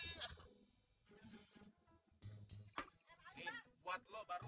ini buat lo baru